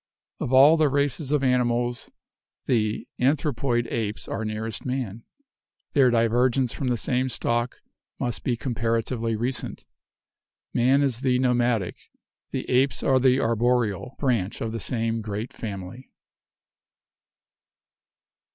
Of all the races of animals the anthropoid apes are nearest man. Their divergence from the same stock must be comparatively recent. Man is the nomadic, the apes are the arboreal, branch of the same great family.